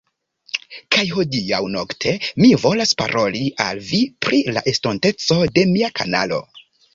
Kaj hodiaŭ-nokte mi volas paroli al vi pri la estonteco de mia kanalo